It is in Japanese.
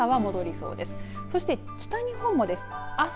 そして北日本もです。